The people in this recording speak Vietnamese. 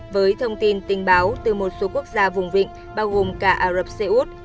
với thông tin tình báo từ một số quốc gia vùng vịnh bao gồm cả ả rập xê út